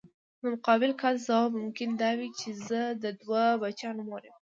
د مقابل کس ځواب ممکن دا وي چې زه د دوه بچیانو مور یم.